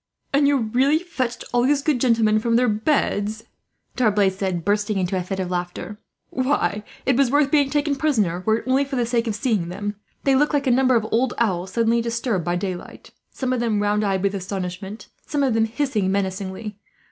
"And you really fetched all these good gentlemen from their beds," D'Arblay said, bursting into a fit of laughter. "Why, it was worth being taken prisoner, were it only for the sake of seeing them. They looked like a number of old owls, suddenly disturbed by daylight some of them round eyed with astonishment, some of them hissing menacingly.